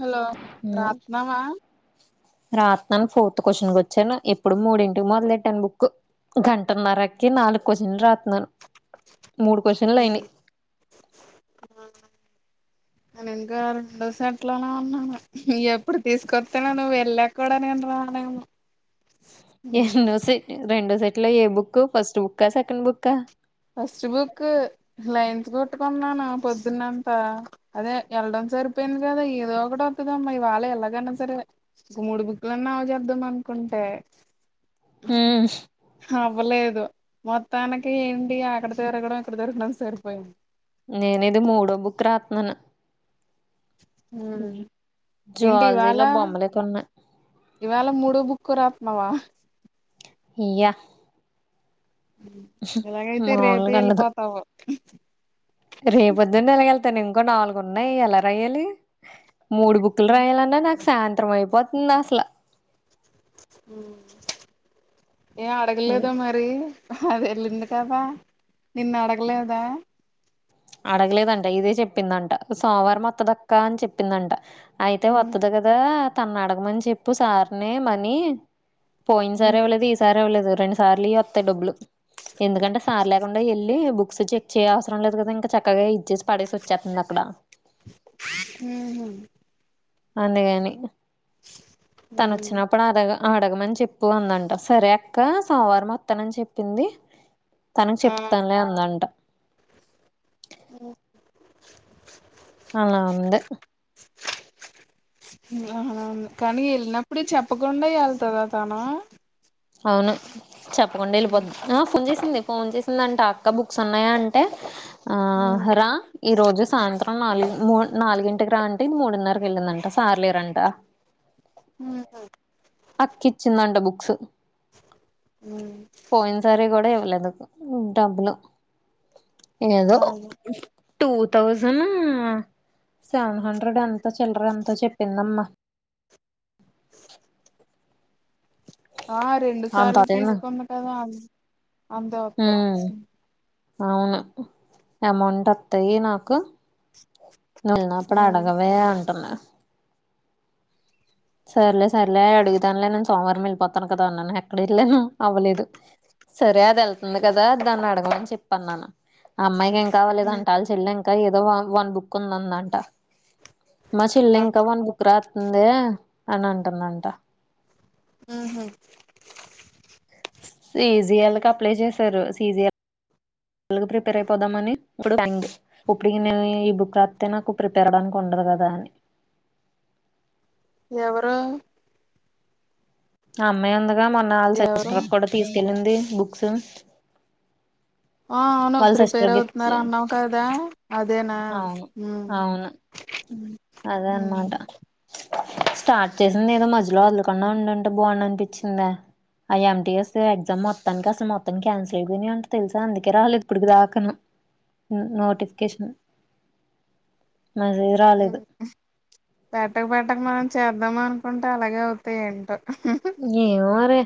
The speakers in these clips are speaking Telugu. హలో హమ్ రాత్నావా రాత్నను ఫోర్త్ క్వశ్చన్ కు వచ్చాను ఇప్పుడు మూడింటికి మొదలెట్టాను బుక్ గంటన్నరకి నాలుగు క్వశ్చన్లు రాతున్నాను మూడు క్వశ్చన్లు అయినాయి ఇంకా రెండో సట్లోనే ఉన్నాను ఎప్పుడు తీసుకొస్తే న నువు వెళ్ళాక కోడా నేను రాలేము ఎన్నో సెట్ ఎండో సెట్ రెండో సెట్ లో ఏ బుక్ ఫస్ట్ బుక్క సెకండ్ బుక్క ఫస్ట్ బుక్ లైన్స్ కొట్టుకున్నాను పొద్దున్నంత అదే వెళ్ళడం సరిపోయింది కదా ఏదో ఒకటి ఒతదామ్మా వాళ్ళ ఎళ్ళగన్నా సరి మూడు బుక్లన్నావ చేద్దాం అనుకుంటే ఉ మ్ హవ్వలేదు మొత్తానికి ఏంటి అక్కడ తిరగడం ఇక్కడ తిరగడం సరిపోయాంది నేను ఇది మూడో బుక్ రాతున్నాను ఉమ్ ఏంటివాళ జువాలజీలో బొమ్మలే కొన్నా ఇవాళ మూడో బుక్కు రాతున్నావా ఇయా ఇలాగైతే రేపే మఒళ్ళకుఉందదు వెళ్ళిపోతావు రేపది అ వెలగలితాను ఇంకో నాలుగు ఉన్నాయి ఎలా రాయాలి మూడు బుక్లు ఆ రాయాలన్నా నాకు సాయంత్రం అయిపోతుంది అసలా ఏ అడగలేదా మరి అది వెళ్ళింది కదా నిన్ను అడగలేదా అడగలేదంట ఇదే చెప్పిందంట సోమవారం మొత్తదక్క అని చెప్పిందంట అయితే వత్తది కదా కదా తన అడగమని చెప్పు సార్ని మనీ పోయినసారి ఇవలేదు ఇ స సార్ ఇవ్వలేదు రెండు సార్లు వస్తాయి డబ్బులు ఎందుకంటే సార్ లే కుండా వెళ్ళి బుక్స్ చెక్ చేయ అవసరం లేదు కదా ఇంకా చక్కగా ఇచ్చేసి పడేసి వచ్చేస్తుంది అక్కడ ఉ ము అందుగాని తను వచ్చినప్పు అప్పుడు అడ అడగమని చెప్పు అందంటారు సరే అక్క సోమవారం వత్తానని చెప్పింది తనకి చెప్తానలే అందంట ఓ అలా ఉంది కానీ వెళ్ళినప్పుడు చెప్పకుండా వెళ్తుందా తను అవును చెప్పకుండా వెళ్ళిపోద్దు ఆ ఫోన్ చేసింది ఫోన్ చేసింది అంటే అక్క బుక్స్ ఉన్నాయా అంటే ఆ రా ఈ రోజు సాయంత్రం నాలుగు మూడ్ నాలుగింటికి రా అంటే మూడున్నరకి వెళ్ళిందంట సార్ లేరంట ఉ అక్కిచ్చిందంట బుక్స్ అ పోయిన సారి కూడా ఇవ్వలేదు డబ్బులు ఏదో అదే టూ థౌజండ్ సెవెన్ హండ్రెడ్ ఎంత చిల్లర ఎంతో చెప్పిందమ్మా ఆ రెండు అంత సార్లు అదేనా తీసుకున్న కదా అ ఉమ్ అవును అమౌంట్ వత్తాయి నాకు వెళ్ళిన్నప్పుడు అడగవే అంటున్నా సరేలే సరలే అడుగుతానులే నేను సోమవారం వెళ్ళిపోతాను కదా అన్నాను ఎక్కడ ఎళ్ళాను అవ్వలేదు సరే అది ఎళ్తుంది గదా దాన్ని అడగమని చెప్పన్నాను ఆ అమ్మాయికి ఏం కావాలిదంట వాళ్ళ చెల్ల ఇంకా ఏదో వన్ బుక్ ఉందందంట మా చెల్లింకా వన్ బుక్ రాస్తుంది అని అంటుందంట ఉహు సీజిఎల్ క్ అప్లై చేశారు సీజిల్ ఎలాగు ప్రిపేర్ అయిపోదామని ఇప్పుడు థాంక్స్ ఇప్పటికి నేను ఈ బుక్ రాత్తే నాకు ప్రిపేర్వడానికి ఉండదు గదా అని ఎవరు ఆ అమ్మాయి ఉందిగా మొన్న ఆల్ ఎవరు సిస్టర్ కు గూ డా తీసుకెళ్ళింది బుక్స్ ఆ అవును వాళ్ళ సిస్టర్ ప్రిపేర్ కి ఇచ్చి అవుతున్నారన్నావు కదా అదేనా అవును ఉ అవును ఉ అదే అన్మాటా స్టార్ట్ చేసిందేదో మధ్యలో వదలకుండా ఉండింటే బాగుండు అనిపిచ్చిందా ఆయ్యేంతేస్తే ఎగ్జామ్ మొత్తానిక్ అసలు మొత్తనికి క్యాన్సిసల్ అయిపోయినంట తెల్సా అందుకే రాలేదు ఇప్పుడి దాకను ఉ నోటిఫికేషన్ అదే రాలేదు పెట్టక పెట్టక మనం చేద్దామనుకుంటే అలాగే అవుతాయి ఏంటో ఏ మోరే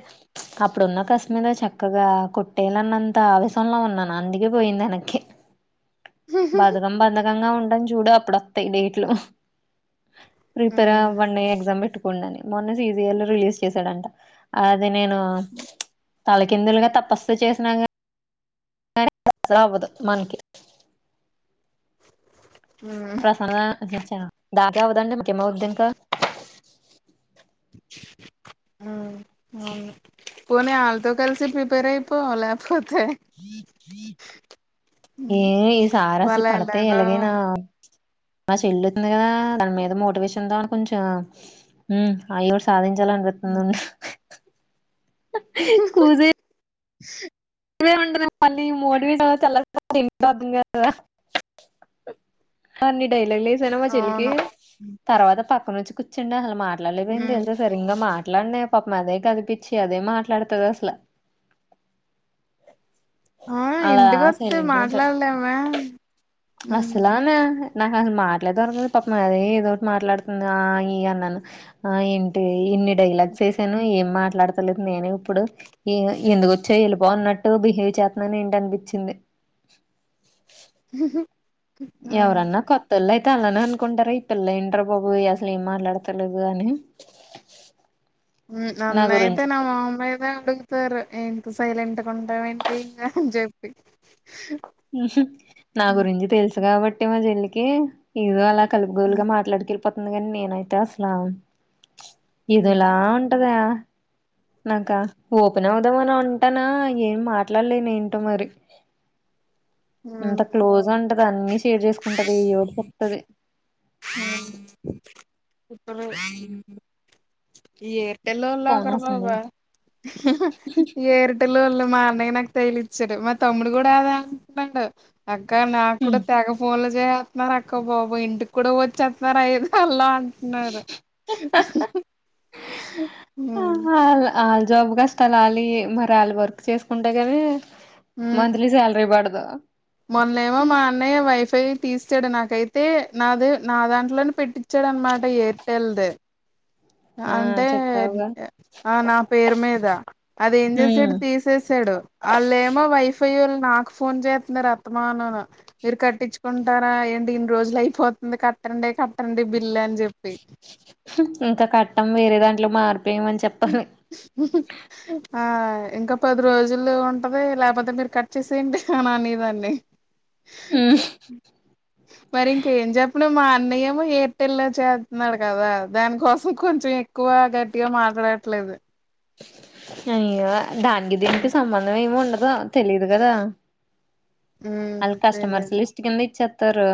అప్పుడున్న కశిమీద చక్కగా కొట్టేయాలన్నంత ఆవేశంలో ఉన్నాను అందుకే పోయింది ఎనక్కి బద్ధకం బద్ధకం గా ఉంటం చూడు అప్పుడొస్తాయి డేట్లు ప్రిపేర్ ఉమ్ అవ్వండి ఎగ్జామ్ పెట్టుకోండి అని మొన్న సీజీఎల్ రిలీజ్ చేశాడంట అది నేను తలకిందులుగా తపస్సు చేసినా గాని అసలవ్వదు మన్కి ఉమ్ ప్రసన్న చ చ దాన్కే అవ్వదంటే మనకేం అవుతద్ ఇంకా [inaudible] ఉ అవును పోనీ ఆళ్తో కలిసి ప్రిపేర్ అయిపో లేకపోతే ఏ ఈ సార్ అసలు వాళ్ళు పడిత్ ఎలాగో ఎలాగైనా మా చెల్లుంది గా దాని మీద మోటివేషన్ తో అని కొంచా ఉ ఎదొవొట్ సాధించాలన్పిత్తంద్ ఉంద్ హ కూజే ఉండనే ఉండదు మళ్ళీ మోటివెట్ అయితే ఎ ల్లాల్సి వస్తది ఇంక అర్దం కాలేదా అన్ని డైలాగ్ లేసానా మా చెల్లికి అవును తర్వాత పక్కనొచ్చి కూర్చంటే అసలు మాట్లాడలేకపోయాన్ ఉమ్ తెలుసా అసలు ఇంగా మాట్లాడ్నా పాపం అదే కదిపించి అదే మాట్లాడుతద్ అసల్ ఆ అలా ఇంటికొత్తే సైలేంటుగుంటరు మాట్లాడలేమే ఉమ్ అసలానా నాకసలు మాట్లాడదొరకద్ పాపం అదే ఏదో ఒకటి మాట్లాడుతుంది ఆ ఇ అన్ అన్నాను ఆ ఏంటి ఇన్ని డైలాగ్సే ఎసాను ఏం మాట్లాడతలేదు నేనిప్పుడు ఏమో ఎందుకొచ్చేవ్ ఎళ్ళిపో అన్నట్టు బిహేవ్ చేస్తున్నాన్ ఏంట అనిపిచ్చింది ఉహుహు ఎవరన్నా కొత్ పెళ్లయితే అలానే అనుకుంటారా ఈ పిళ్లెంటిరా బాబు అసలు ఏం మాట్లాడతలేదు అని ఉ నా నన్నయితే నా గురించి మొహం మీదె అడుగు సరే ఎంటి సైలెంట్గా ఉంటావెంటి అని చెప్పి ఉహ్ నా ఉమ్ గురించి తెలుసు గాబట్టి మా చెల్లికి ఏదో అలా ఉమ్ కలుపుగొలుగా మాట్లాడికెళ్ళిపోతుంది గాని నేనైతే అసలే ఏదొలా ఉమ్ ఉంటదా. నాకా ఓపెన్ అవుదాం అని ఉంటాను ఏం మాట్లాడలేనెంటో మరి. ఎంత ఉమ్. క్లోజ్గా ఉంటది అన్ని షేర్ చేసుకుంటది ఏయోపడుత్తది. ఆమ్ ఇప్పుడు రే ఈ ఏడ్. బెలున్ ఫోన్ లాకరంలోక వస్తుంది ఎర్ప్. బెలున్లు మా అన్నయ్య నాకు తేలిచ్చడు మా తమ్ముడు కూడా అదే అంటున్నాడు. అక్క నాకు కూడా తెక ఫోన్లు చేస్తున్నారక్క బాబోయ్ ఇంటికి కూడా వచ్చేస్తున్నారు అయిద్ అల్లన్. తిన్నారు ఉమ్. ఆళ్ళ ఆళ్ళ జాబ్ కష్టాలు వాళ్ళవే మరి వాళ్ళ వర్క్ చేసుకుంటే కానీ. హ్మ్ మంత్లీ శాలరీ పడతదా. మొన్నేమో మా అన్నయ్య వైఫై తీసాడు నాకైతే నాది నా దాంట్లోనే పెట్టించాడు అనమాట ఎయిర్టెల్ది. ఆ అంటే చెప్పావుగా ఆహ్ నా పేరు మీద అదేం ఉమ్ చేసేడు తీసి. చేసాడు వాళ్ళమో వైఫై వాళ్ళు నాకు ఫోన్ చేస్తున్నారు ఆస్తమానంను. మీరు కట్టించుకుంటారా ఏంటి ఇన్ని రోజులు అయిపోతుంది కట్టండి కట్టండి బిల్లు అని చెప్పి. ఉమ్ ఇంకా కట్టన్ వేరే దాంట్లో మారిపోయమని చెప్పాలి. ఆహ్. ఆహ్ ఇంకా పది రోజులు ఉంటది లేకపోతే మీరు కట్ చేసేయండి అని అనేదాన్ని. ఉహూ. మరి ఇంకేం చెప్పను మా అన్నయ్యేమో ఎయిర్టెల్ లో చేస్తున్నాడు కదా దానికోసం కొంచెం. ఎక్కువ గట్టిగా మాట్లాడట్లేదు. అయ్యో దానికి దీనికి సంబంధం ఏమి ఉండదు తెలీదు కదా. ఉమ్ వాళ్ళ కస్టమర్స్ తెలిదు లిస్ట్ కింద ఇచ్చేస్తారు.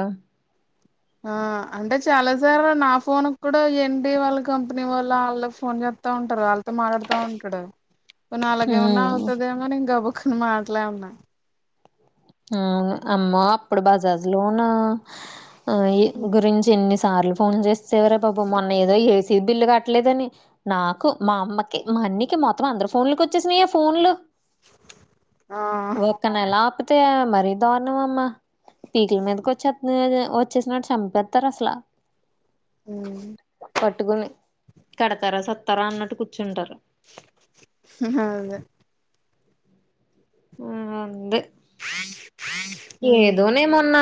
ఆహ్ అంటే చాలా సార్లు నా ఫోన్ కూడా ఏంటి వాళ్ళ కంపెనీ వాళ్ళ వాళ్ళ ఫోన్ చెస్. డుతా ఉంటారు వాళ్ళతో మాట్లాడుతా ఉంటాడు. వున్న అలాగేమన్నా హ్మ్ అవుతదేమో నేను గబుకున్న మాట్లాడినా. అమ్మో అప్పుడు బజార్ లోన ఆహ్ హ్మ్. గురించి ఇన్ని సా సార్లు ఫోన్ చేసావురా బాబు మొన్న ఏదో ఏసీ బిల్లు కట్టలేదని. నాకు మా అమ్మకి మా అన్నయ్యకి మొత్తం అందరు ఫోన్లకి వచ్చేసినయా ఫోన్లు. ఆహ్. ఒక్కనెలా ఆపుతే మరి దారణం అమ్మా. పీకుల మీదకు వచ్చేసి వచ్చేసినట్టు చంపేస్తారు అసలు. హ్మ్. పట్టుకొని కడతారా సత్తారా అన్నట్టు కూర్చుంటారు. ఆహ్ అవును. ఆహ్ అంది. అవు అవు ఏదోనే మొన్న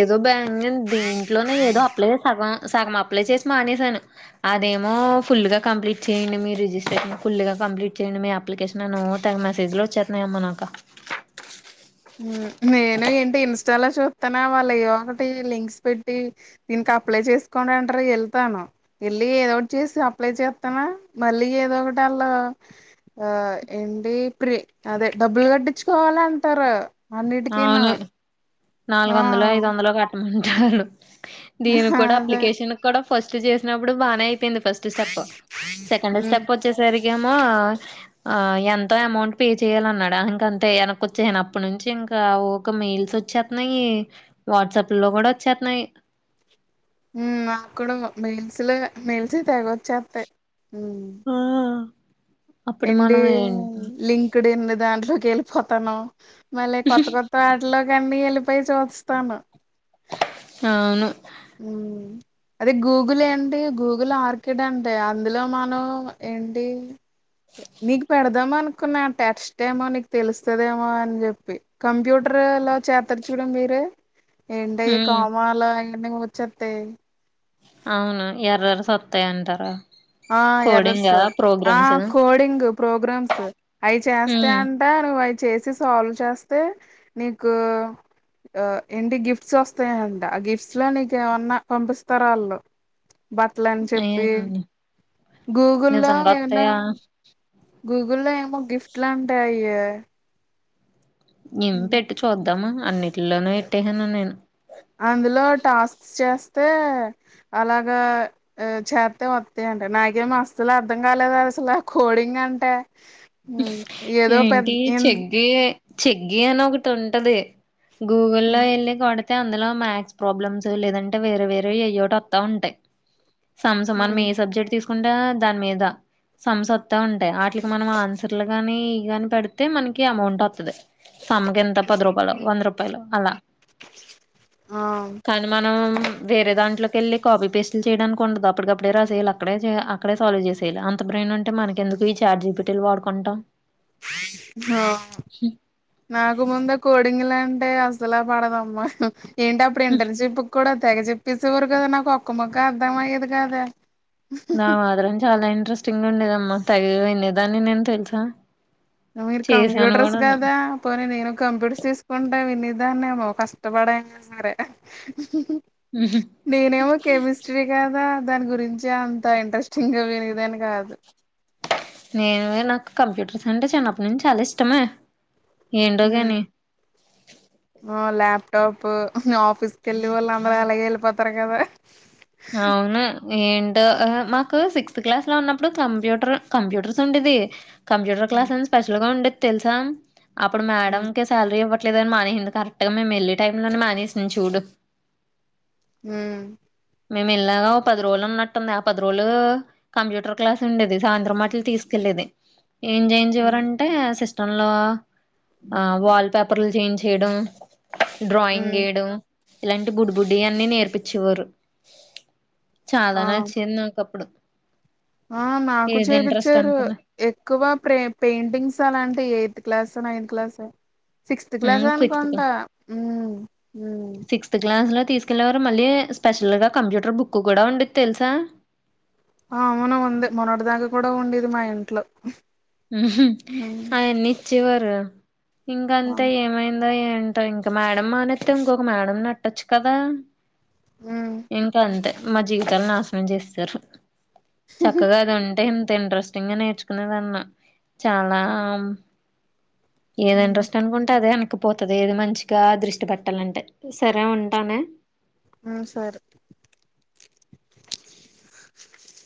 ఏదో బ్యాం దీంట్లోనే ఏదో అప్లై సగం సగం అప్లై చేసి మానేసాను. అదేమో ఫుల్గా కంప్లీట్ చేయ్యండి మీ రిజిస్ట్రేషన్ ఫుల్ గా కంప్లీట్ చేయండి మీ అ అప్లై చేసినాను తెగ మెసేజ్లో వచ్చేస్తున్నాయ అమ్మా నాకు. నేను ఏంటి ఇన్స్టాలో చూస్తాన్న వాళ్ళువి ఒకటి లింక్స్ పెట్టి. దీనికి అప్లై చేసుకోని అంటారు వెళ్తాను. వెళ్ళి ఏదో ఒకటి చేసి అప్లై చేస్తున్న మళ్ళీ ఏదో ఒకటి వాళ్ళ. ఆ ఏంటి ప్రీ అదే డబ్బులు కట్టించుకోవాలి అంటారు అన్నిటికిను అవును నాలుగు వందలు ఐదు వందలు కట్టమంటారు దీని కూడా అదే అప్లికేషన్ కూడ ఫస్ట్ చేసినప్పుడు బానే అయిపోయింది first step second hmm step వ వచ్చేసరికేమో ఆ ఎంతో అమౌంట్ పే చేయ్యాల అన్నాడా ఇంక అంతే వెనకి వచ్చేసిన అప్పటి నుంచి ఇం క ఒక మెయిల్స్ వచ్చేస్తున్నాయి వాట్సాప్ లో కూడా వచ్చేస్తున్నాయి ఉ నాకుడ మెల్సు లే మెల్స్ తెగొచ్చేస్తాయి అప్పుడు మనం ఏం కిడిన్ దాంట్లోకి వెళ్ళిపోతానం మళ్ళీ కొత్త కొత్త ట్లోకి అన్ని వెళ్ళిపోయి చూస్తాను అవును ఊ అదే గూగుల్ ఏంటి గూగుల్ ఆర్కిడ్ అంటే అందులో మనం ఏంటి నీకు పెడదామ అనుకున్నా టెక్స్ట్ ఎమో నీకు తెలుస్తదేమో అని చెప్పి కంప్యూటర్ ఎలా చేర్తాడ్ చూడు మీరే ఎండయి ఉమ్ కోమాలు అవ్వన్ని వచ్చేతాయ్ అవును ఎర్రర్స్ వత్తాయి అంటారు ఆ ఎర్రర్స్ కోడింగా ఆ ప్రోగ్రామ్స్ కోడింగ్ ప్రోగ్రామ్స్ అవి చేస్తే ఉమ్ అన్ అంట నువ్వు అవి చేసి సాల్వ్ చేస్తే నీకు ఆ ఏంటి గిఫ్ట్స్ వస్తాయంట ఆ గిఫ్ట్స్ లో నీకు ఏమన్నా పంపిస్తారాళ్ళు బట్టల అని చెప్పి ఏం గూగుల్లో నిజంగా ఏమన్నా వస్తాయా గూగుల్లో ఏమో గిఫ్ట్ లాంటయి ఏం పెట్టి చూద్దామా అన్నింటిలోనూ పెట్టేసాను నేను అందులో టాస్క్స్ చేస్తే అలాగా ఆ చెత్తే వత్తాయంట నాకేం అసలు అర్ధం కాలేదు అసల కోడింగ్ అంటే ఉమ్, ఏదో పెద్ద ఏంటి ఇన్- చెగ్గి చెగ్గి అని ఒకటి ఉంటది గూగుల్లో ఉమ్, వెళ్ళి కొడ అయితే అందులో మ్యాద్స్ ప్రాబ్లమ్స్ లేదంటే వేరే వేరే అయ్యోటి వత్త ఉంటాయి సంస్ మనం ఉమ్. ఏ సబ్జెక్ట్ తీసుకుంటే దాని మీద సంస్ వత్తా ఉంటాయి ఆటిలకి మనం ఆన్ సర్లు కాని ఇ గాని పెడితే మనకి అమౌంట్ వత్తది సమ్మకి ఎంత పది రూపాయలు వంద రూపా పాయలు అలా ఆ కానీ మనం వేరే దాంట్లో కెళ్లి కాపీ పేస్ట్లు చేయడానికి ఉండదు అప్పటికప్పుడే రసేయాలు అక్కడే అక్కడే సాల్వ్ చేసేయాలి అంత బ్రెయిన్ ఉంటే మనకెందుకు ఈ చార్జీబిటీలు వాడుకుంటాం ఆ నాకు ముంద కోడింగ్ల అంటే అసలు పడదమ్మా ఏంటి అప్పుడు ఇంటర్న్షిప్ కూడా తెగ చెప్పేసేవారు కదా నాకు ఒక్క మొక్క అర్థం అయ్యేది కాదే నా మాత్రం చాలా ఇంట్రెస్టింగ్ ఉండేదమ్మా తెగ వినేదాన్ని నేను తెలుసా మీరు చేశాను కంప్యూటర్స్ కూడాను కాదా పోని నేను కంప్యూటర్స్ తీసుకుంటె వినేదాన్నేమో కష్టపడైన సరే నేనేమో కెమిస్ట్రీ కదా దాని గురించి అంత ఇంట్రెస్టింగ్గా వినే దాన్ని కాదు నేను వే నాకు కంప్యూటర్స్ అంటే చిన్నప్పటి నుంచి చాలా ఇష్టమే ఏంటో హ్మ్. గాని ఆ ల్యాప్టాప్ ఆఫీస్ కెళ్ళి వాళ్ళు అందరు అలాగే వెళ్ళిపోతారు కదా అవునే ఏంటో ఆ మాకు సిక్స్త్ క్లాస్ లో ఉన్నప్పుడు కంప్యూటర్ కంప్యూటర్స్ ఉండేదీ. కంప్యూటర్ ఉ క్లాస్ అని స్పెషల్ గా ఉండేద్ తెల్సా అప్పుడు ఉ మేడం కేస్ శాలరీ ఇవ్వట్లేద్ అని మానేశింది కరెక్ట్గా మేము ఎళ్ళే టైంలోనే మానేశింది చూడు. ఊహ్ మేము ఇల్లాగ ఓ పది రోజులు ఉన్నట్టుంది ఆ పది రోజులూ కంప్యూటర్ క్లాస్ ఉండేది సాయంత్రం అట్ల తీసుకెళ్ళేది. ఏం జేయించే ఉ వారంట్ టే సిస్టం లో ఆ వాల్ పేపర్లు చేంజ్ చేయడం. డ్రాయింగ్ ఉమ్ ఏయడం ఇలాంటి బుడ్డి బుడ్డి అన్ని నేర్పిచ్చేవారు. చాలా ఆ నచ్చింది నాక్ అప్పుడు ఆ నాకు ఏది ఇంట్రెస్ట్ చేపిచ్చారూ అనుకున్నా ఎక్కువా ప్రే పెయింటింగ్స్ అలాంటియి ఎయిత్ క్లాసో నైన్త్ క్లాసో. Sixth class um sixth class అనుకుంటా ఊ ఊ ఫ్త్ క్లాస్లో తీసుకెళ్ళేవారు మళ్ళీ స్పెషల్గా కంప్యూటర్ బుక్కు కూడా ఉండేద్ తెల్సా. ఆ అవును ఉంది మొన్నటి దాకా కూడా ఉండేది మా ఇంట్లో. ఉహు హ్మ్ అయన్ని ఇచ్చేవారు ఆ ఇంకంతా ఏమైందో ఏం టో ఇంక మేడమ్ మానేత్తే ఇంకొక మేడమ్ నెట్టొచ్చు కదా. హ్మ్ ఇంకా అంతే మా జీవితాలు నాశనం చేసేశారు చక్కగా అది ఉంటే ఇంత ఇంట్రెస్ట్ టింగా నేర్చుకునేదాన్నో చాలా అం ఏది హ్మ్ ఇంట్రెస్ట్ అనుకుంటే అదే ఎనక్కిపోతది ఏది మంచిగా దృష్టి పెట్టాలంటే సరే ఉంటానే. ఆ సర్